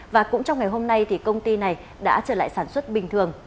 và cũng trong ngày hôm nay thì công ty này đã trở lại sản xuất bình thường